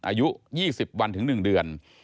อายุ๒๐วันถึง๑เดือน